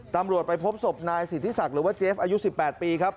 ตำรวจไปพบศพนายสิทธิศักดิ์หรือว่าเจฟอายุ๑๘ปีครับ